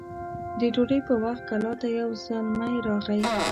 د ډوډۍ په وخت کلا ته يو زلمی راغی